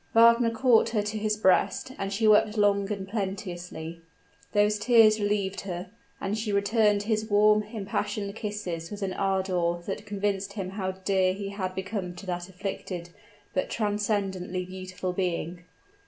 Wagner caught her to his breast; and she wept long and plenteously. Those tears relieved her; and she returned his warm, impassioned kisses with an ardor that convinced him how dear he had become to that afflicted, but transcendently beautiful being.